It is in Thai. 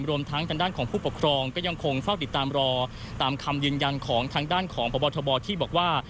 รวมทั้งด้านของผู้ปกครองก็ยังคงฟักติดตามรอตามคำยืนยังของทางด้านของประวัติฐาบรที่บอกว่า